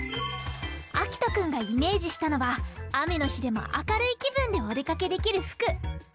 あきとくんがイメージしたのはあめのひでもあかるいきぶんでおでかけできるふく。